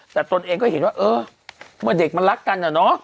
แต่ตนเองก็เห็นว่าเออเมื่อเด็กมันรักกันอะเนาะ